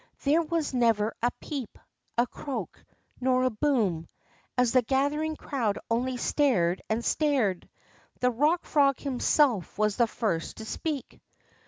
There was never a peep, a croak, nor a boom, as the gathering crowd only stared and stared. The Rock Frog himself was the first to speak.